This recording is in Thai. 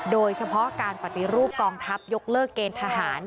โดยเฉพาะการปฏิรูปกองทัพยกเลิกเกณฑ์ทหาร